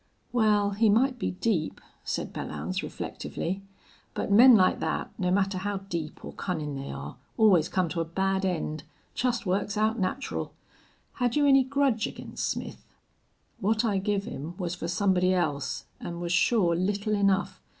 "Wal, he might be deep," said Belllounds, reflectively. "But men like thet, no matter how deep or cunnin' they are, always come to a bad end. Jest works out natural.... Had you any grudge ag'in' Smith?" "What I give him was for somebody else, an' was sure little enough.